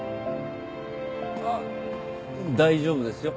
あっ大丈夫ですよ。